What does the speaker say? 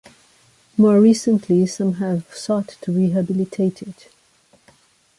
More recently some have sought to rehabilitate it.